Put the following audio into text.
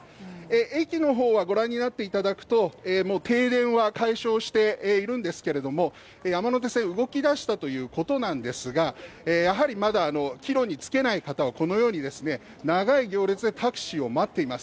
駅の方はご覧になっていただくと、もう停電は解消しているんですけれども山手線動き出したということなんですがやはりまだあの帰路につけない方はこのように長い行列でタクシーを待っています。